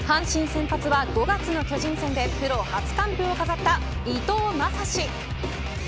先発は、５月の巨人戦でプロ初完封を飾った伊藤将司。